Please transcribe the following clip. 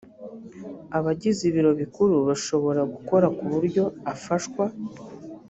abagize ibiro bikuru bashobora gukora ku buryo afashwa